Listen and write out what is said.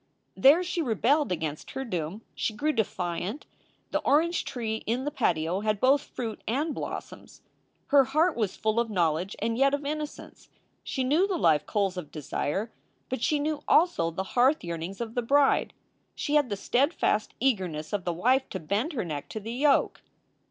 There she rebelled against her doom. She grew defiant. The orange tree in the patio had both fruit and blossoms. Her heart was full of knowledge and yet of innocence. She knew the live coals of desire, but she knew also the hearth yearnings of the bride. She had the steadfast eagerness of the wife to bend her neck to the yoke.